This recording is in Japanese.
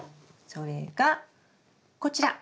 それがこちら。